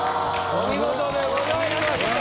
お見事でございました。